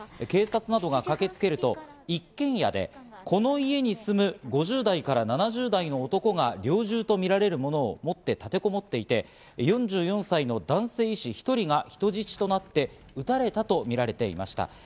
警察などが駆けつけると一軒家でこの家に住む５０代から７０代の男が猟銃とみられるものを持って立てこもっていて、４４歳の男性医師１人が人質となって撃たれたとみられていました。